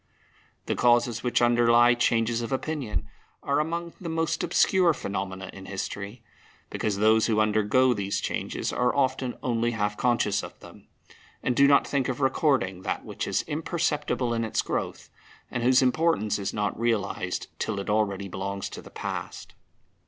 The causes which underlie changes of opinion are among the most obscure phenomena in history, because those who undergo, these changes are often only half conscious of them, and do not think of recording that which is imperceptible in its growth, and whose importance is not realized till it already belongs to the past.